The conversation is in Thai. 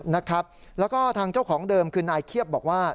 นะครับแล้วก็ทางเจ้าของเดิมคือนายเคียบบอกว่า